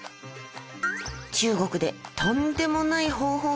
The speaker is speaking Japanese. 中国でとんでもない方法があったよ！